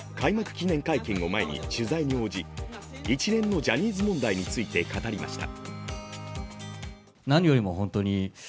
記念会見を前に取材に応じ、一連のジャニーズ問題について語りました。